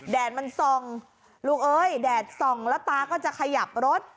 แดดมันส่องลูกเอ้ยแดดส่องแล้วตาก็จะขยับรถ